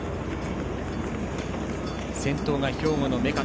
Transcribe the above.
先頭が兵庫の目片。